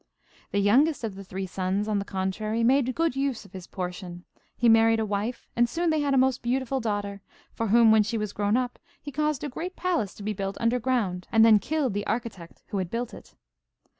The youngest of the three sons, on the contrary, made good use of his portion. He married a wife and soon they had a most beautiful daughter, for whom, when she was grown up, he caused a great palace to be built underground, and then killed the architect who had built it.